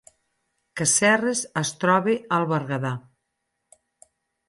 Casserres es troba al Berguedà